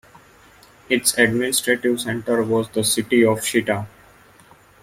Its administrative center was the city of Chita.